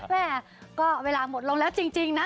แม่ก็เวลาหมดลงแล้วจริงนะ